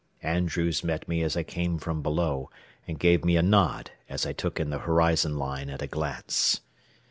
Andrews met me as I came from below, and gave me a nod as I took in the horizon line at a glance.